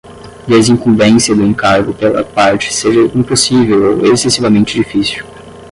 desincumbência do encargo pela parte seja impossível ou excessivamente difícil